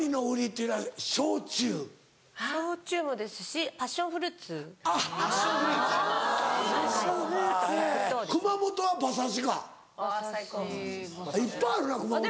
いっぱいあるな熊本は。